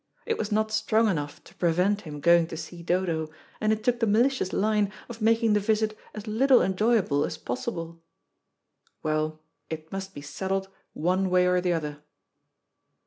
It was not strong enough to prevent him going to see Dodo, and it took the malicious line of making the visit as little enjoyable as possible. Well, it must be settled one way or the other.